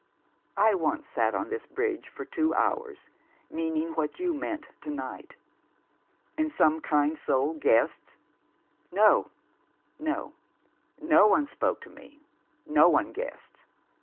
I once sat on this bridge for two hours, mean ing what you meant to night." " And some kind soul guessed ?"" No, no ; no one spoke to me, no one guessed.